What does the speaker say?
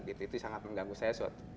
itu sangat mengganggu saya